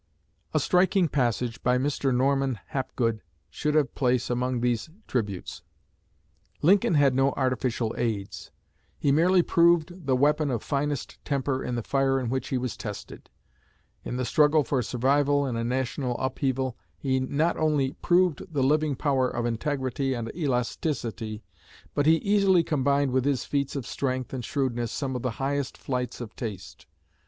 A striking passage by Mr. Norman Hapgood should have place among these tributes. "Lincoln had no artificial aids. He merely proved the weapon of finest temper in the fire in which he was tested. In the struggle for survival in a national upheaval, he not only proved the living power of integrity and elasticity, but he easily combined with his feats of strength and shrewdness some of the highest flights of taste.